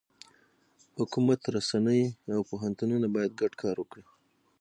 حکومت، رسنۍ، او پوهنتونونه باید ګډ کار وکړي.